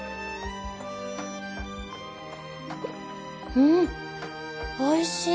うんおいしい！